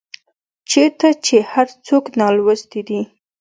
چيرته چي هر څوک نالوستي دي